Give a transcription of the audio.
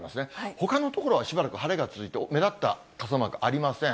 ほかの所はしばらく晴れが続いて、目立った傘マークはありません。